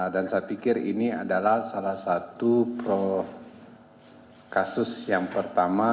dan saya pikir ini adalah salah satu kasus yang pertama